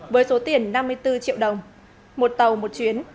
với số tiền năm mươi bốn triệu đồng một tàu một chuyến